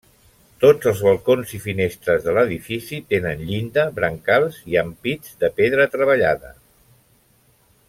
Tots els balcons i finestres de l'edifici tenen llinda, brancals i ampits de pedra treballada.